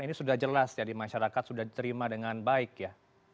ini sudah jelas ya di masyarakat sudah diterima dengan baik ya